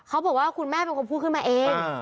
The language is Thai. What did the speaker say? เขาบอกว่าคุณแม่เป็นคนพูดขึ้นมาเอง